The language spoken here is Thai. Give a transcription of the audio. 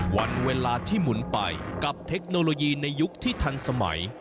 วันเวลาที่หมุนไปกับเทคโนโลยีในยุคที่ทันสมัย